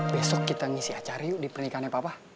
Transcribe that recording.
besok kita ngisi acara yuk di pernikahannya papa